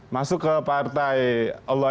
masuk ke partai allah